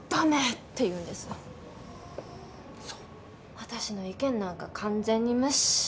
私の意見なんか完全に無視。